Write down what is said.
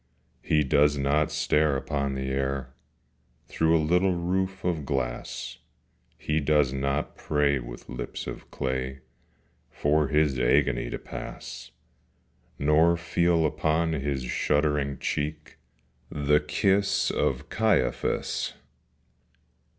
He does not stare upon the air Through a little roof of glass: He does not pray with lips of clay For his agony to pass; Nor feel upon his shuddering cheek The kiss of Caiaphas.